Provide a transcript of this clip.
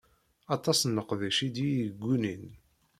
Aṭas n leqdic i d iyi-yeggunin.